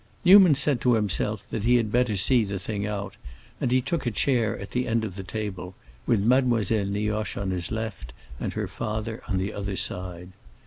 Newman said to himself that he had better see the thing out and he took a chair at the end of the table, with Mademoiselle Nioche on his left and her father on the other side.